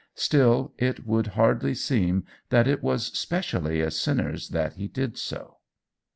Still it would hardly seem that it was specially as sinners that he did so.